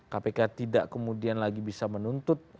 kpk tidak kemudian lagi bisa menuntut